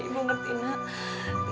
ibu ngerti nak